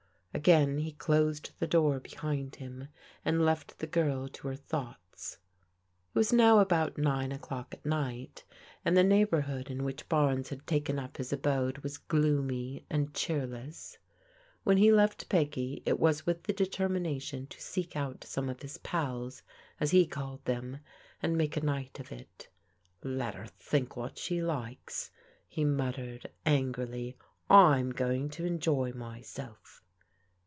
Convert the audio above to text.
Again he closed the door behind him and left the girl to her thoughts. It was now about nine o'clock at night, and the neigh bourhood in which Barnes had taken up his abode was gloomy and cheerless. M^en he left Peggy it was with tfie determination to seek out some of his pals, as he called them, and make a night of it. " Let her think what she likes," he muttered angrily. " I'm going to enjoy myself."